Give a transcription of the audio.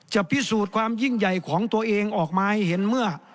พิสูจน์ความยิ่งใหญ่ของตัวเองออกมาให้เห็นเมื่อ